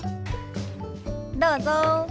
どうぞ。